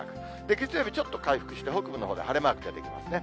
月曜日ちょっと回復して、北部のほうでは晴れマークが出てきますね。